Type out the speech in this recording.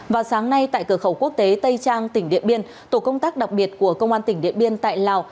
vào sáng nay tại cửa khẩu quốc tế tây trang tỉnh điện biên tổ công tác đặc biệt của công an tỉnh điện biên tại lào